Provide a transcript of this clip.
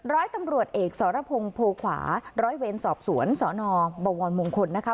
ร้อยตำรวจเอกสรพงศ์โพขวาร้อยเวรสอบสวนสนบวรมงคลนะคะ